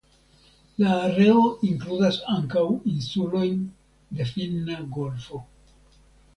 La areo inkludas ankaŭ insulojn de Finna golfo.